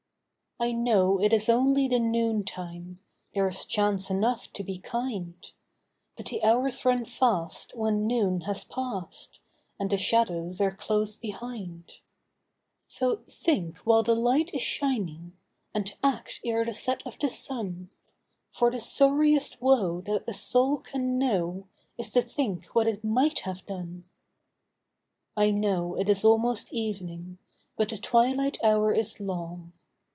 I know it is only the noontime— There is chance enough to be kind; But the hours run fast when noon has passed, And the shadows are close behind. So think while the light is shining, And act ere the set of the sun, For the sorriest woe that a soul can know Is to think what it might have done. I know it is almost evening, But the twilight hour is long.